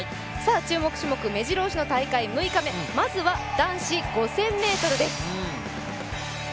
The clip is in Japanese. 注目種目、めじろ押しの大会６日目、まずは男子５０００ｍです。